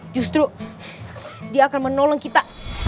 justru dia akan menolong kita